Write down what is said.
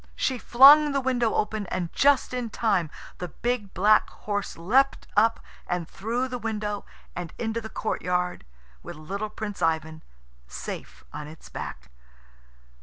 She flung the window open, and just in time the big black horse leapt up, and through the window and into the courtyard, with little Prince Ivan safe on its back.